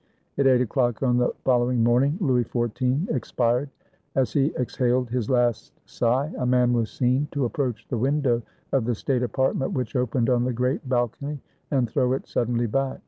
At eight o'clock on the following morning, Louis XIV expired. As he exhaled his last sigh, a man was seen to approach the window of the state apartment which opened on the great balcony, and throw it suddenly back.